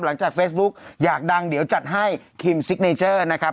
หลังจากเฟซบุ๊กอยากดังเดี๋ยวจัดให้คิมซิกเนเจอร์นะครับ